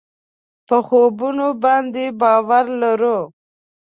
په خوبونو باندې باور لرو.